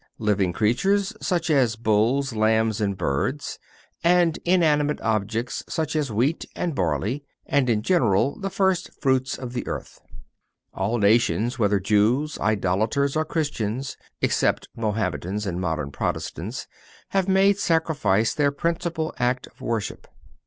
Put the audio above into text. living creatures, such as bulls, lambs and birds; and inanimate objects, such as wheat and barley, and, in general, the first fruits of the earth. All nations—whether Jews, idolaters or Christians, except Mahometans and modern Protestants—have made sacrifice their principal act of worship.